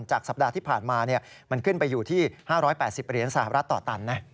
สัปดาห์ที่ผ่านมามันขึ้นไปอยู่ที่๕๘๐เหรียญสหรัฐต่อตันนะ